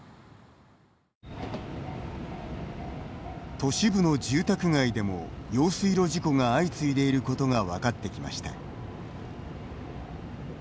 都市部の住宅街でも用水路事故が相次いでいることが分かってきました。